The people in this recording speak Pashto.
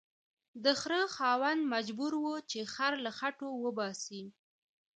د خره خاوند مجبور و چې خر له خټو وباسي